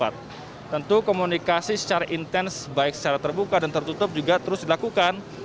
tentu komunikasi secara intens baik secara terbuka dan tertutup juga terus dilakukan